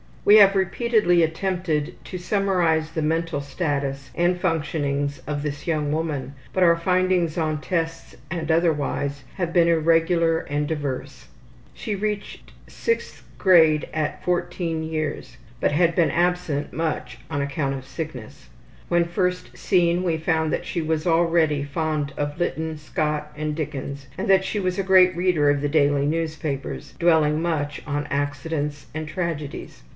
We have repeatedly attempted to summarize the mental status and functionings of this young woman, but our findings on tests and otherwise have been irregular and diverse. She reached 6th grade at 14 years, but had been absent much on account of sickness. When first seen we found that she was already fond of Lytton, Scott, and Dickens, and that she was a great reader of the daily newspapers, dwelling much on accidents and tragedies.